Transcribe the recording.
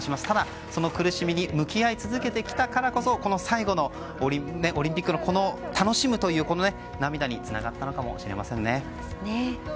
ただ、その苦しみに向き合い続けてきたからこそこの最後のオリンピックの楽しむという涙につながったのかもしれませんね。